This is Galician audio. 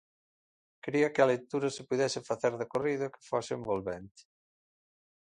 Quería que a lectura se puidese facer de corrido e que fose envolvente.